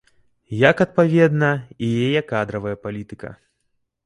Як, адпаведна, і яе кадравая палітыка.